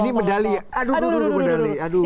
ini medali ya aduh aduh aduh